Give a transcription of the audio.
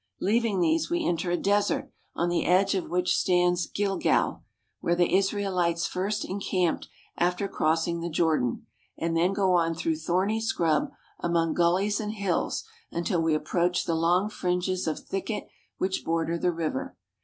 Leaving these we enter a desert on the edge of which stands Gilgal, where the Israelites first en camped after crossing the Jordan, and then go on through thorny scrub among gullies and hills until we approach the long fringes of thicket which border the river.